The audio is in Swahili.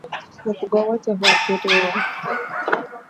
Mifugo wote huathiriwa